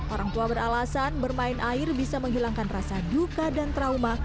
orang tua beralasan bermain air bisa menghilangkan rasa duka dan trauma